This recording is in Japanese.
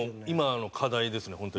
今の課題ですね